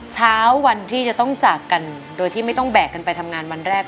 เช้าวันที่จะต้องจากกันโดยที่ไม่ต้องแบกกันไปทำงานวันแรก